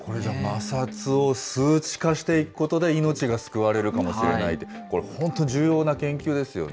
摩擦を数値化していくことで、命が救われるかもしれないって、これ、本当に重要な研究ですよね。